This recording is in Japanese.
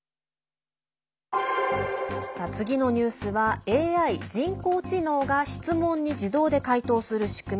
次のニュースはＡＩ＝人工知能が質問に自動で回答する仕組み